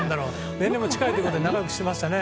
年齢も近いということで仲良くしてましたね。